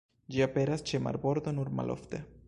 Ĝi aperas ĉe marbordo nur malofte.